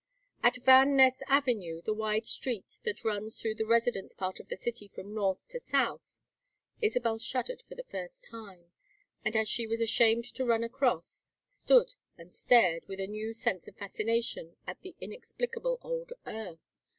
At Van Ness Avenue, the wide street that runs through the residence part of the city from north to south, Isabel shuddered for the first time, and, as she was ashamed to run across, stood and stared with a new sense of fascination at the inexplicable old earth.